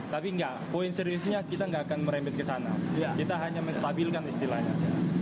tapi enggak poin seriusnya kita nggak akan merembet ke sana kita hanya menstabilkan istilahnya